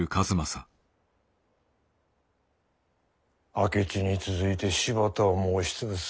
明智に続いて柴田をも押し潰す。